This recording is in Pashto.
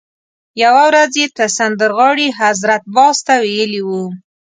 یوه ورځ یې سندرغاړي حضرت باز ته ویلي وو.